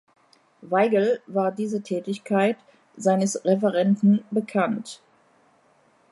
Weigel war diese Tätigkeit seines Referenten bekannt.